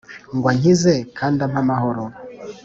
Ngw ankize kand' amp' amahoro.